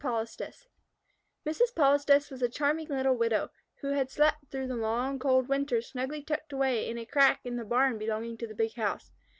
POLISTES Mrs. Polistes was a charming little widow, who had slept through the long, cold winter, snugly tucked away in a crack in the barn belonging to the big house.